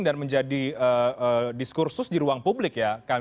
dan menjadi diskursus di ruang publik ya